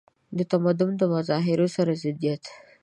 د تمدن له مظاهرو سره ضدیت.